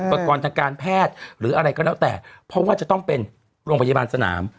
ประกอบทางการแพทย์หรืออะไรก็แล้วแต่เพราะว่าจะต้องเป็นโรงพยาบาลสนาม